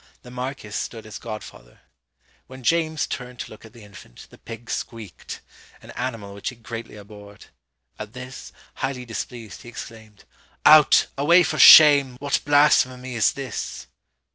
The marquis stood as godfather. When James turned to look at the infant, the pig squeaked: an animal which he greatly abhorred. At this, highly displeased, he exclaimed, "Out! Away for shame! What blasphemy is this!"